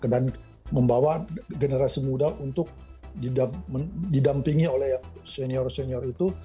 dan membawa generasi muda untuk didampingi oleh senior senior itu